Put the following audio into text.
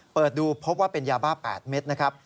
เปิดดูพบว่าเป็นยาบ้า๘เม็ดนะครับ